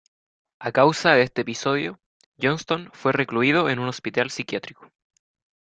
A causa de este episodio, Johnston fue recluido en un hospital psiquiátrico.